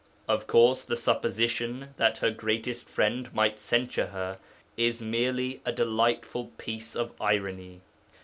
Of course, the supposition that her greatest friend might censure her is merely a delightful piece of irony.